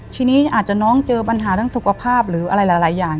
ทีนี้อาจจะน้องเจอปัญหาทั้งสุขภาพหรืออะไรหลายอย่าง